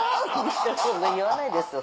言わないですよ